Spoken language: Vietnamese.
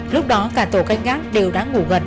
lúc đó cả tổ canh gác đều đã ngủ gần